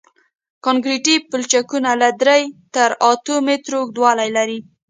کانکریټي پلچکونه له درې تر اتو مترو اوږدوالی لري